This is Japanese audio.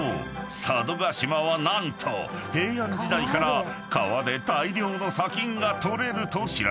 佐渡島は何と平安時代から川で大量の砂金が採れると知られ］